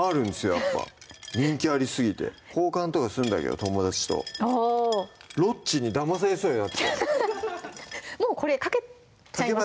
やっぱ人気ありすぎて交換とかするんだけど友達と「ロッチ」にだまされそうになってもうこれかけちゃいます？